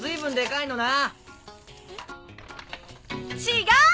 違う！